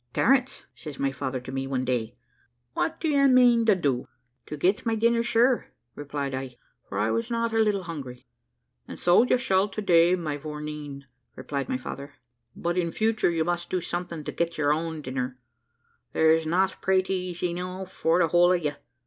`Terence,' says my father to me one day, `what do you mane to do?' `To get my dinner, sure,' replied I, for I was not a little hungry. `And so you shall to day, my vourneen,' replied my father, `but in future you must do something to get your own dinner; there's not praties enow for the whole of ye.